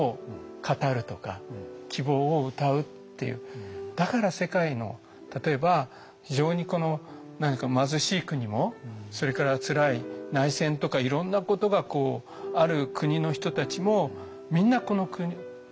つまりだから世界の例えば非常に貧しい国もそれからつらい内戦とかいろんなことがある国の人たちもみんなこの曲を知っていて黒柳さんもその。